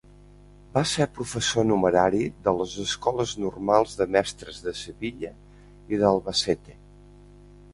Va ser professor numerari de les Escoles Normals de Mestres de Sevilla i d'Albacete.